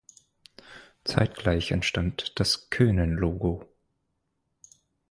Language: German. Zeitgleich entstand das Koenen-Logo.